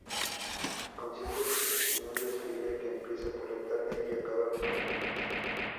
Consiste en un desfile que empieza por la tarde y acaba por la noche.